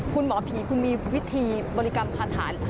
คุณหมอผีคุณมีวิธีบริกรรมคาถาน